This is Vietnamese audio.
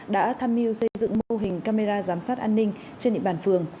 đã tham mưu xây dựng mô hình camera giám sát an ninh trên địa bàn phường